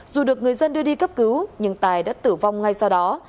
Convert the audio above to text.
dù được người dân đưa đi cấp cứu nhưng tài đã tử vong ngay sau đó